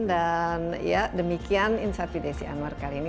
dan ya demikian insight nya si anwar kali ini